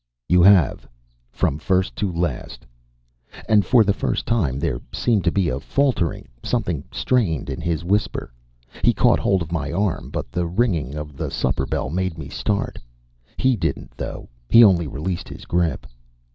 "You have. From first to last" and for the first time there seemed to be a faltering, something strained in his whisper. He caught hold of my arm, but the ringing of the supper bell made me start. He didn't though; he only released his grip.